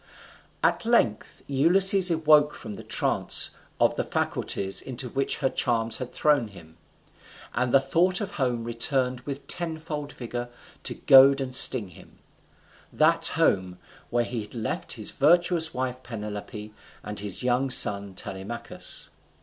At length Ulysses awoke from the trance of the faculties into which her charms had thrown him, and the thought of home returned with tenfold vigour to goad and sting him; that home where he had left his virtuous wife Penelope, and his young son Telemachus.